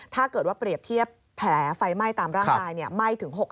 ถ้าเกิดว่าเปรียบเทียบแผลไฟไหม้ตามร่างกายไหม้ถึง๖๐